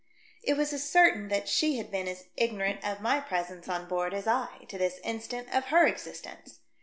It was as certain that she had been as ignorant of my presence on board as I, to this instant, of her existence.